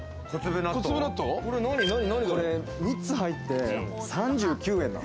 これ、３つ入って３９円。